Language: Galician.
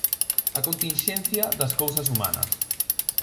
A continxencia das cousas humanas.